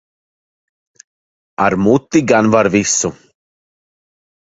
Ar muti gan var visu.